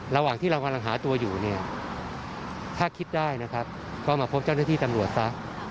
ระหว่างที่เรากำลังหาตัวอยู่เนี่ยถ้าคิดได้นะครับก็มาพบเจ้าหน้าที่ตำรวจซะ